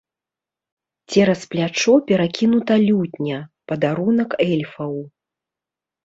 Цераз плячо перакінута лютня, падарунак эльфаў.